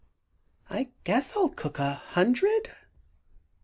I guess I'll cook a hundred."